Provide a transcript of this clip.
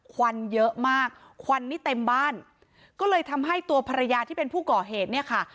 ควันเยอะมากควันนี่เต็มบ้านก็เลยทำให้ตัวภรรยาที่เป็นผู้ก่อเหตุเนี่ยค่ะ